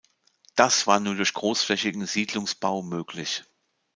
Das war nur durch großflächigen Siedlungsbau möglich.